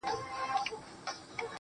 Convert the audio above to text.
تر څو خلک په اسانۍ سره